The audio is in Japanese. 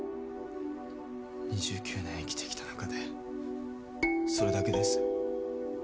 ２９年生きてきた中でそれだけです。